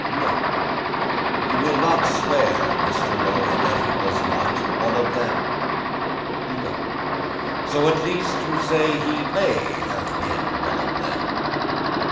"No." "You will not swear, Mr. Lorry, that he was not one of them?" "No." "So at least you say he may have been one of them?"